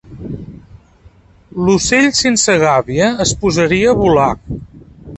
L'ocell sense gàbia es posaria a volar